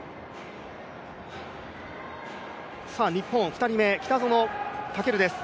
日本、２人目、北園丈琉です。